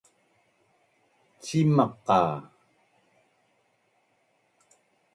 Cimaq qa?